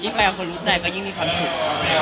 ไปกับคนรู้ใจก็ยิ่งมีความสุข